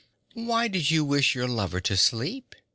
'Why did you wish your lover to sleep?'